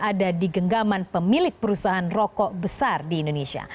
ada di genggaman pemilik perusahaan rokok besar di indonesia